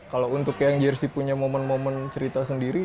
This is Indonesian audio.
kalau untuk yang jersi punya momen momen cerita sendiri